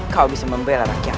kau bisa membela rakyat